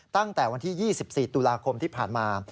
ตั้งแต่วันที่๒๔ตุลาคมที่ผ่านมา